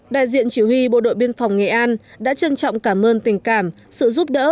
đại diện chỉ huy bộ đội biên phòng nghệ an đã trân trọng cảm ơn tình cảm sự giúp đỡ